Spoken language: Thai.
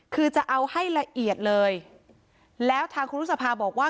คือจะเอาให้ละเอียดเลยแล้วทางครูรุษภาบอกว่า